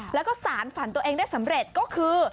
แล้วก็สารฝันตัวเองได้สำเร็จก็คือ